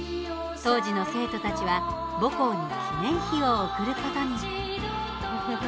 当時の生徒たちは母校に記念碑を贈ることに。